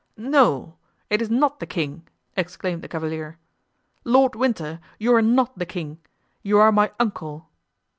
"No! it is not the king!" exclaimed the cavalier. "Lord Winter, you are not the king; you are my uncle."